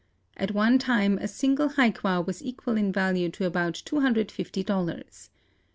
At one time a single hi qua was equal in value to about two hundred fifty dollars.